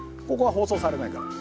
ここは放送されないんだ。